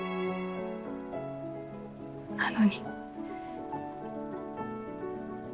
なのに。